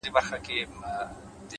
ستونزې پټ قوتونه راویښوي؛